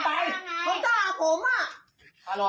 ตั้งเท่าไหร่มันเก็บตัวได้เลย